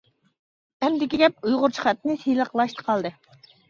ئەمدىكى گەپ ئۇيغۇرچە خەتنى سىلىقلاشتا قالدى.